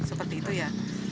seperti itu ya